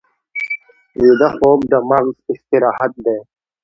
ویده خوب د مغز استراحت دی